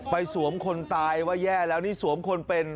สวมคนตายว่าแย่แล้วนี่สวมคนเป็น